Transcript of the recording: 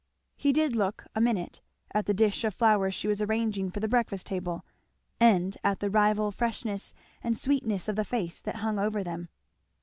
He did look a minute at the dish of flowers she was arranging for the breakfast table, and at the rival freshness and sweetness of the face that hung over them.